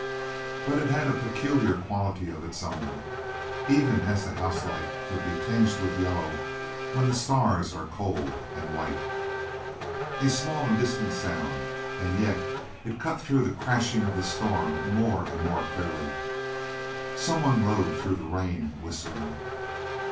But it had a peculiar quality of its own, even as the house light would be tinged with yellow when the stars are cold and white. A small and distant sound, and yet it cut through the crashing of the storm more and more clearly; someone rode through the rain whistling.